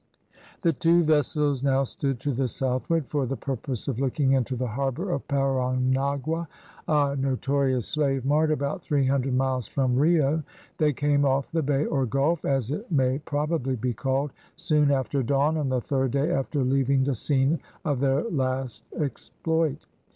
The two vessels now stood to the southward, for the purpose of looking into the harbour of Paranagua, a notorious slave mart, about three hundred miles from Rio. They came off the bay or gulf, as it may probably be called, soon after dawn on the third day after leaving the scene of their last exploit.